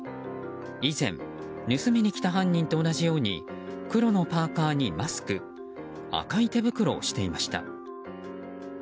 以前盗みに来た犯人と同じように黒のパーカにマスク赤い手袋をしていました。